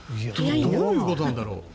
どういうことなんだろう。